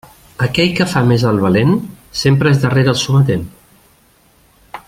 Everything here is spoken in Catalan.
Aquell que fa més el valent, sempre és darrer el sometent.